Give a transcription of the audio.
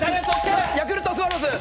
ヤクルトスワローズ。